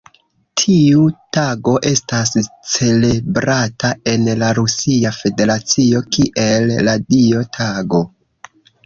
Tiu tago estas celebrata en la Rusia Federacio kiel Radio Tago.